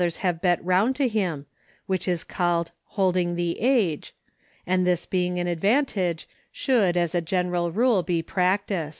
have bet round to him, which is called "hold ing the r_v." and this being an advantag ild, as a general rule, be practised.